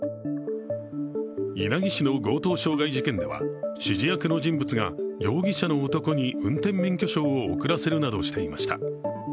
稲城市の強盗傷害事件では指示役の人物が容疑者の男に運転免許証を送らせるなどしていました。